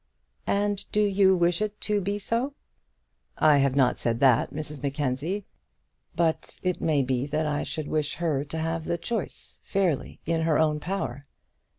"And do you wish it to be so?" "I have not said that, Mrs Mackenzie. But it may be that I should wish her to have the choice fairly in her own power."